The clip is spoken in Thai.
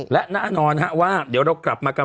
และแน่นอนว่าเดี๋ยวเรากลับมากัน